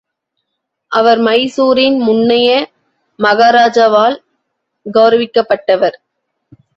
அவர் மைசூரின் முன்னைய மகாராஜாவால் கெளரவிக்கப்பட்டவர்.